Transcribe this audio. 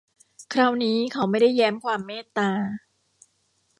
คราวนี้เขาไม่ได้แย้มความเมตตา